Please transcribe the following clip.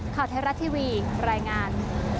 ข่าวเทราะห์ทีวีรายงาน